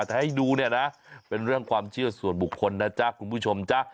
แต่ให้ดูเนี่ยนะเป็นเรื่องความเชื่อส่วนบุคคลนะจ๊ะคุณผู้ชมจ๊ะ